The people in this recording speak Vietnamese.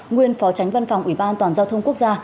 nguyên phó tránh văn phòng ủy ban an toàn giao thông quốc gia